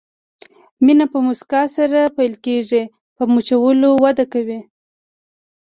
مینه په مسکا سره پیل کېږي، په مچولو وده کوي.